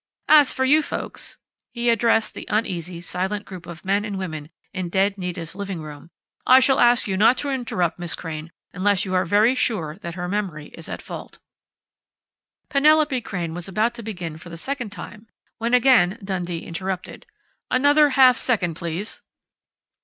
As for you folks," he addressed the uneasy, silent group of men and women in dead Nita's living room, "I shall ask you not to interrupt Miss Crain unless you are very sure that her memory is at fault." Penelope Crain was about to begin for the second time, when again Dundee interrupted. "Another half second, please."